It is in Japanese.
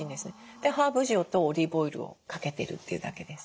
でハーブ塩とオリーブオイルをかけてるというだけです。